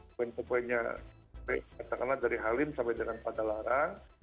sebuah sebuahnya katakanlah dari halim sampai dengan padalarang